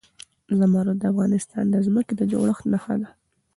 زمرد د افغانستان د ځمکې د جوړښت نښه ده.